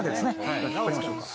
じゃあ引っ張りましょうか。